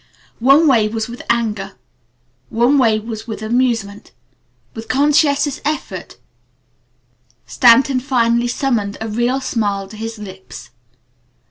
One way was with anger. One way was with amusement. With conscientious effort Stanton finally summoned a real smile to his lips.